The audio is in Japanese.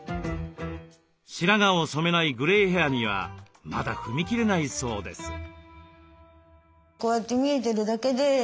白髪を染めないグレイヘアにはまだ踏み切れないそうです。